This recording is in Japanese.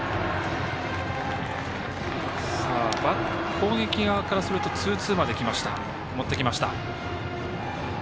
攻撃側からするとツーツーまで持ってきました。